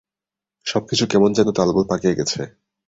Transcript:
সবকিছু কেমন যেন তালগোল পাকিয়ে গেছে।